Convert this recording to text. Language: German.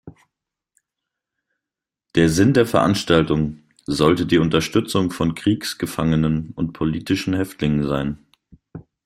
Der Sinn der Veranstaltung sollte die Unterstützung von Kriegsgefangenen und politischen Häftlingen sein.